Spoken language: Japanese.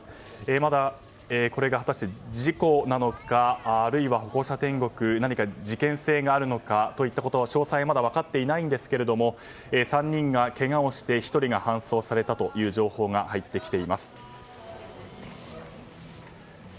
まだこれが果たして事故なのか何か事件性があるのかといった詳細はまだ分かっていないんですけれども３人がけがをして１人が搬送されたという情報が入ってきています。